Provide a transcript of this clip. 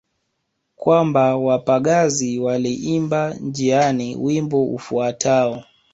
Kwamba wapagazi waliimba njiani wimbo ufuatao